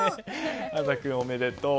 朝渚君、おめでとう！